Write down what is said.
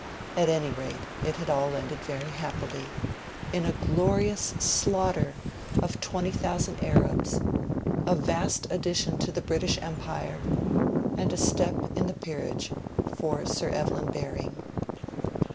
At any rate, it had all ended very happily in a glorious slaughter of 20,000 Arabs, a vast addition to the British Empire, and a step in the Peerage for Sir Evelyn Baring.